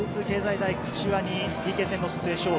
大柏にＰＫ戦の末、勝利。